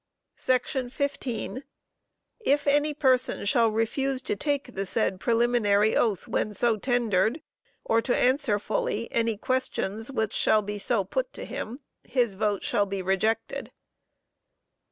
"§ 15. If any person shall refuse to take the said preliminary oath when so tendered, or to answer fully any questions which shall be so put to him, his vote shall be rejected."